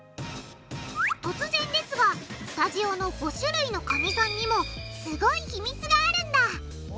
突然ですがスタジオの５種類のカニさんにもすごい秘密があるんだ！